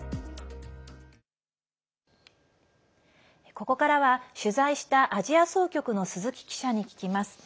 ここからは、取材したアジア総局の鈴木記者に聞きます。